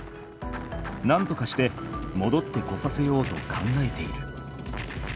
なんとかしてもどってこさせようと考えている。